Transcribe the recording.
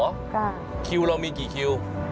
ค่ะคิวเรามีกี่คิว